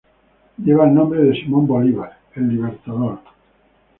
Lleva el nombre de Simón Bolívar el libertador.